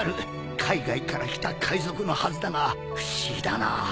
海外から来た海賊のはずだが不思議だな。